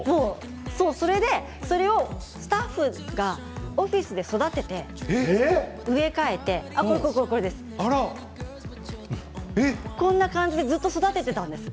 それをスタッフがオフィスで育てて植え替えてこんな感じでずっと育てていたんです。